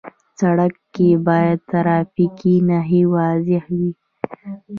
سړک کې باید ټرافیکي نښې واضح وي.